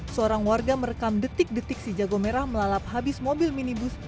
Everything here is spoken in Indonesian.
seorang warga merekam detik detik si jago merah melalap habis mobil minibus